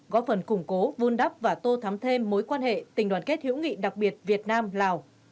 góp phần củng cố vun đắp và tô thắm thêm mối quan hệ tình đoàn kết hữu nghị đặc biệt việt nam lào